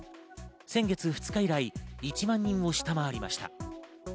先月２日以来、１万人を下回りました。